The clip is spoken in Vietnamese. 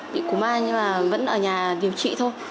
vị cú ma nhưng mà vẫn ở nhà điều trị thôi